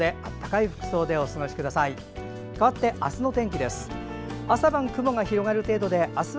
かわって、明日の天気です。